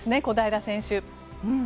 小平選手。